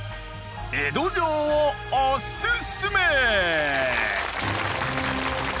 江戸城をおすすめ！